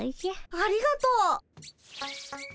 ありがとう。